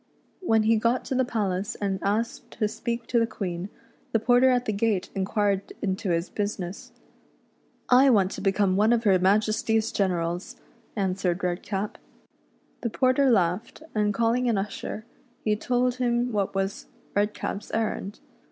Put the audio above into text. When he got to the palace and asked to speak to the Quee:i, the porter at the gate inquired into his business. " I want to become one of her Majesty's generals," answered Redcap. The porter laughed, and calling an usher, he told 90 REDCAP'S ADVENTURES IN FAIRYLAND. him what was Redcap's errand.